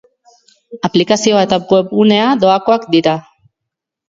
Aplikazioa eta webgunea doakoak dira.